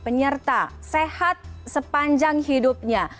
penyerta sehat sepanjang hidupnya